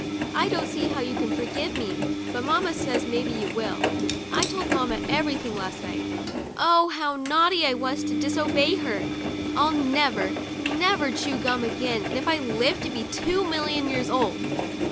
I don't see how you can forgive me, but mamma says maybe you will. I told mamma everything last night. Oh, how naughty I was to dis >bey her ! I'll never, never chew gum again f I live to be two million years old.